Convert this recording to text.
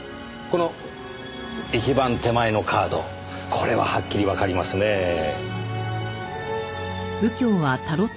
この一番手前のカードこれははっきりわかりますねぇ。